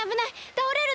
たおれる！